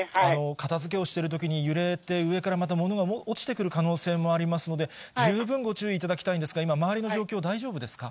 片づけをしているときに揺れて、上からまた、物が落ちてくる可能性もありますので、十分ご注意いただきたいんですが、今、周りの状況、大丈夫ですか。